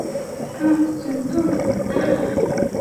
阿什顿巷。